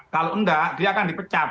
kalau enggak dia akan dipecat